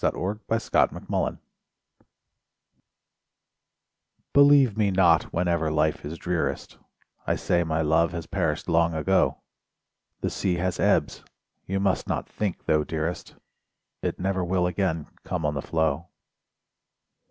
v [ii] SONGS AND DREAMS To Kate Believe me not whenever life is drearest I say my love has perished long ago; The sea has ebbs; you must not think though, dearest, It never will again come on the flow.